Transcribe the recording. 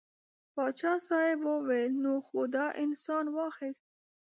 پاچا صاحب وویل نو خو تا انسان واخیست.